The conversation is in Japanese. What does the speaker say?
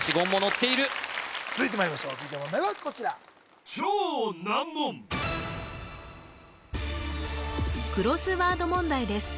ッている続いてまいりましょう続いての問題はこちらクロスワード問題です